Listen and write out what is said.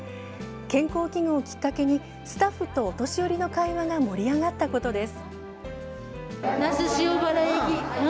健康器具をきっかけにスタッフとお年寄りの会話が盛り上がったことです。